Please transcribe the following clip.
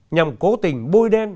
nhằm cố tình bôi đen